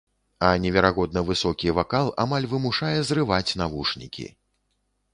А неверагодна высокі вакал амаль вымушае зрываць навушнікі.